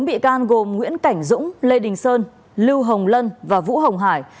bốn bị can gồm nguyễn cảnh dũng lê đình sơn lưu hồng lân và vũ hồng hải